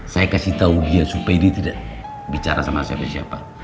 saya kasih tahu dia supaya dia tidak bicara sama siapa